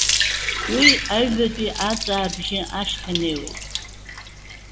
Уи, аҩбатәи аҵәаабжьы ашьҭанеиуеит.